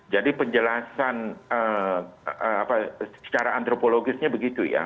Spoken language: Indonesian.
jadi penjelasan secara antropologisnya begitu ya